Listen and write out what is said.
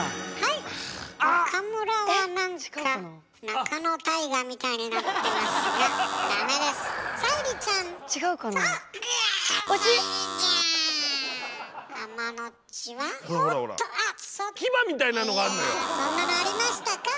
いやそんなのありましたか？